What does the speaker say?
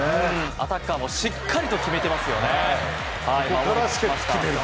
アタッカーもしっかりと決めてますよね。